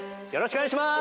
お願いします！